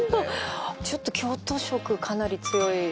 ちょっと京都色かなり強い。